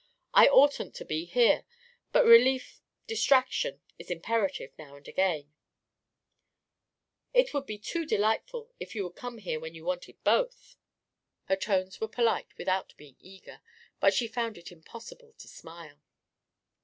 I oughtn't to be here, but relief distraction is imperative, now and again " "It would be too delightful if you would come here when you wanted both." Her tones were polite without being eager, but she found it impossible to smile.